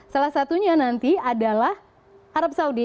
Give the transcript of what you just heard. salah satunya nanti adalah arab saudi